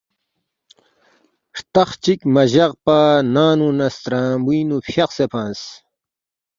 ہرتخ چک مجق پہ ننگنو نہ سترنگبوئینگنو فیاقسے فنگس